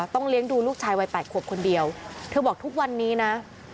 ต้องเลี้ยงดูลูกชายวัย๘ขวบคนเดียวเธอบอกทุกวันนี้นะ